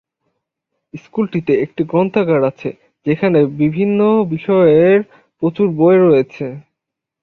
স্কুলটিতে একটি গ্রন্থাগার আছে যেখানে বিভিন্ন বিষয়ের প্রচুর বই রয়েছে।